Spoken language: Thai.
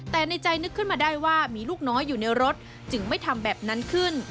แต่ในใจนึกขึ้นมาได้ว่ามีลูกน้อยอยู่ในรถจึงไม่ทำแบบนั้นขึ้น